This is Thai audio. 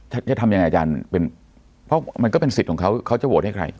จะทำยังไงอาจารย์เป็นเพราะมันก็เป็นสิทธิ์ของเขาเขาจะโหวตให้ใคร